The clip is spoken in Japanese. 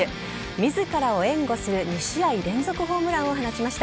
自らを援護する２試合連続ホームランを放ちました。